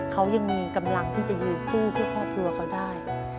เขายังมีกำลังที่จะยืนสู้เพื่อครอบครัวเขาได้